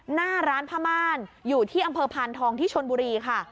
หน้าร้านผ้าม่านอยู่ที่อำเภอพานทองที่ชนบุรีค่ะ